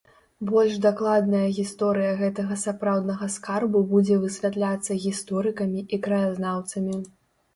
Больш дакладная гісторыя гэтага сапраўднага скарбу будзе высвятляцца гісторыкамі і краязнаўцамі.